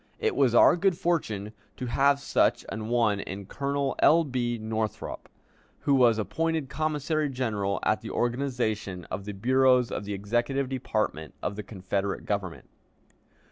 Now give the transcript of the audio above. It was our good fortune to have such an one in Colonel L. B. Northrop, who was appointed commissary general at the organization of the bureaus of the executive department of the Confederate Government.